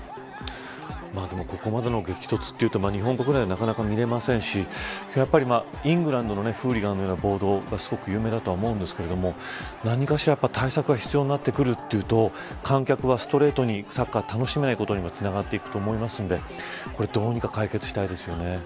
でも、ここまでの激突というと日本国内ではなかなか見れませんしやっぱりイングランドのフーリガンのような暴動がすごく有名だと思うんですけど何かしら対策が必要になってくるというと観客は、ストレートにサッカーを楽しめないことにもつながっていくと思うのでこれどうにか解決したいですよね。